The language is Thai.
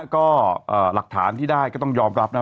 ก็หลักฐานที่ได้ก็ต้องยอมรับนะ